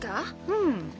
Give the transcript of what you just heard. うん。